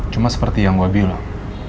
cuma seperti yang gue bilang